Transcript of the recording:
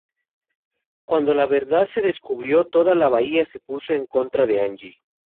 Cuando la verdad se descubrió toda la bahía se puso en contra de Angie.